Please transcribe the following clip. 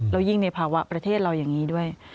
แล้วยิ่งในภาวะประเทศเราอย่างนี้ด้วย